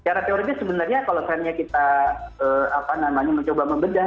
cara teori sebenarnya kalau kita mencoba membedah